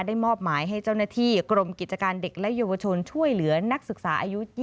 มอบหมายให้เจ้าหน้าที่กรมกิจการเด็กและเยาวชนช่วยเหลือนักศึกษาอายุ๒๐